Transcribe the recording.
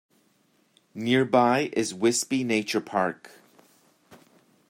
Nearby is Whisby Nature Park.